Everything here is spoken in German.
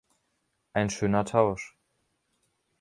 Ein schöner Tausch.